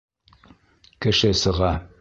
Кеше сыға.